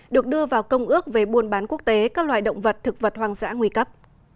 được đưa vào công ước về buôn bán quốc tế các loài động vật thực vật hoang dã nguy cấp